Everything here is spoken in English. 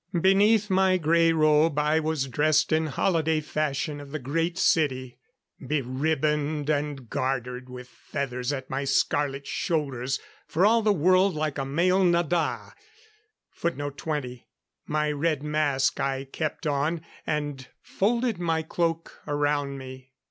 Beneath my grey robe I was dressed in holiday fashion of the Great City beribboned and gartered, with feathers at my scarlet shoulders for all the world like a male nada. My red mask I kept on, and folded my cloak around me.